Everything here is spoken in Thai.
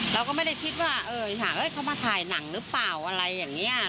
เราก็ไม่ได้คิดว่าหากเขามาถ่ายหนังหรือเปล่าอะไรอย่างนี้